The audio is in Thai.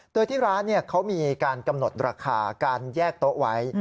โดยที่ร้านเขามีการกำหนดราคาการแยกโต๊ะไว้